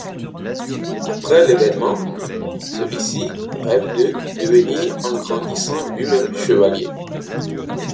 Après l'évènement, celui-ci rêve de devenir en grandissant lui-même chevalier.